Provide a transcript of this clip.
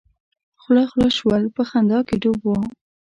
خوله خوله شول په خندا کې ډوب وو.